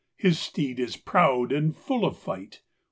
His steed is proud and full of fight.